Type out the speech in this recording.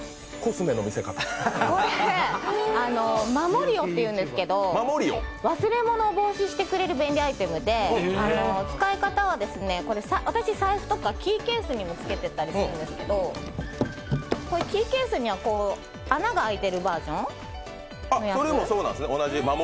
これ、ＭＡＭＯＲＩＯっていうんですけど、忘れ物を防止してくれる便利アイテムで、使い方は私は財布とかキーケースとかにつけたりしてるんですけどこういうキーケースには穴があいているバージョンのやつ。